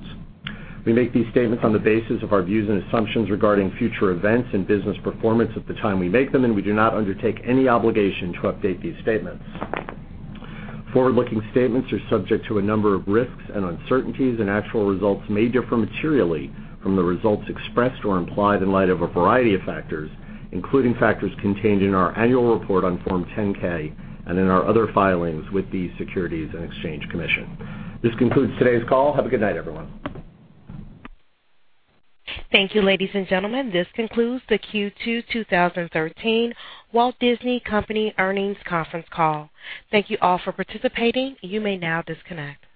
We make these statements on the basis of our views and assumptions regarding future events and business performance at the time we make them, and we do not undertake any obligation to update these statements. Forward-looking statements are subject to a number of risks and uncertainties, and actual results may differ materially from the results expressed or implied in light of a variety of factors, including factors contained in our annual report on Form 10-K and in our other filings with the Securities and Exchange Commission. This concludes today's call. Have a good night, everyone. Thank you, ladies and gentlemen. This concludes the Q2 2013 The Walt Disney Company earnings conference call. Thank you all for participating. You may now disconnect.